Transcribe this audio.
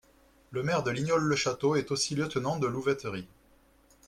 Le maire de Lignol-le-Château est aussi lieutenant de louveterie.